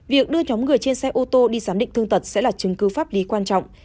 việc đưa nhóm người trên xe ô tô đi giám định thương tật sẽ là chứng cứ pháp lý quan trọng